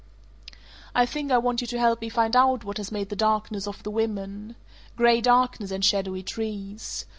"I think I want you to help me find out what has made the darkness of the women. Gray darkness and shadowy trees.